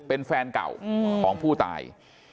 เป็นแฟนเก่าของผู้ตาย